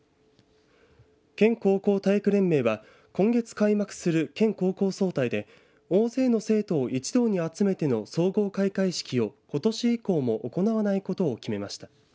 県高校体育連盟は今月開幕する県高校総体で大勢の生徒を一堂に集めての総合開会式をことし以降も行わないことを決めました。